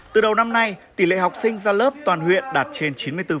từ đầu năm nay tỷ lệ học sinh ra lớp toàn huyện đạt trên chín mươi bốn